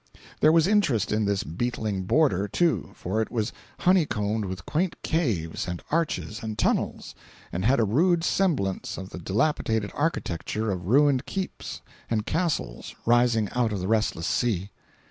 There was interest in this beetling border, too, for it was honey combed with quaint caves and arches and tunnels, and had a rude semblance of the dilapidated architecture of ruined keeps and castles rising out of the restless sea.